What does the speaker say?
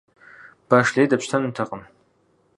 Баш лей дэпщтэнукъым.